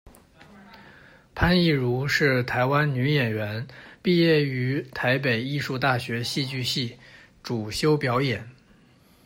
潘奕如是台湾女演员，毕业于台北艺术大学戏剧系，主修表演。